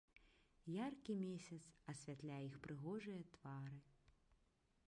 Яркі месяц асвятляе іх прыгожыя твары.